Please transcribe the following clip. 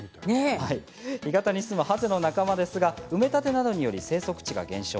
干潟に住むハゼの仲間ですが埋め立てなどにより生息地が減少。